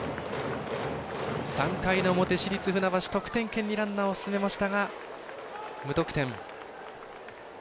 ３回の表、市立船橋得点圏にランナーを進めましたが無得点。